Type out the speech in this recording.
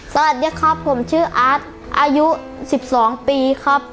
สวัสดีครับผมชื่ออาร์ตอายุ๑๒ปีครับ